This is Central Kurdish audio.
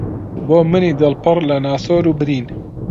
بۆ منی دڵ پڕ لە ناسۆر و برین